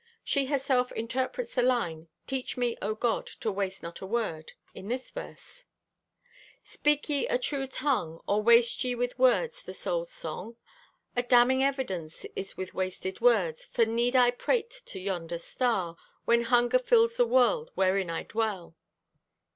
She herself interprets the line, "Teach me, O God, to waste not word," in this verse: Speak ye a true tongue, Or waste ye with words the Soul's song? A damning evidence is with wasted words; For need I prate to yonder star When hunger fills the world wherein I dwell?